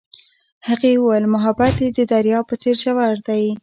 هغې وویل محبت یې د دریا په څېر ژور دی.